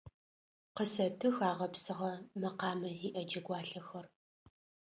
Къысэтых агъэпсырэ мэкъамэ зиӏэ джэгуалъэхэр.